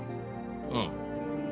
うん。